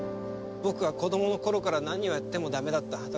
僕は子供の頃から何をやってもダメだった。